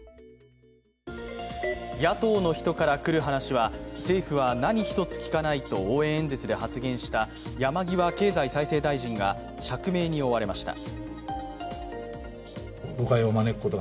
野党の人からくる話は政府は何一つ聞かないと応援演説で発言した山際経済再生大臣が釈明に追われました。